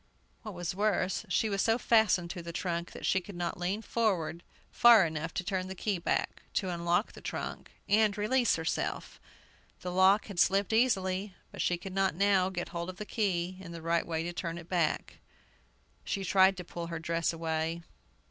What was worse, she was so fastened to the trunk that she could not lean forward far enough to turn the key back, to unlock the trunk and release herself! The lock had slipped easily, but she could not now get hold of the key in the right way to turn it back. She tried to pull her dress away.